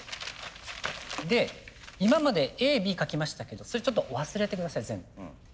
で今までＡＢ書きましたけどそれちょっと忘れて下さい全部。